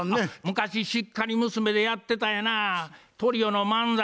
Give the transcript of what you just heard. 昔しっかり娘でやってたやなトリオの漫才。